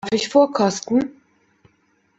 Darf ich vorkosten?